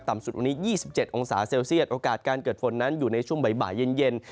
สุดวันนี้๒๗องศาเซลเซียตโอกาสการเกิดฝนนั้นอยู่ในช่วงบ่ายเย็น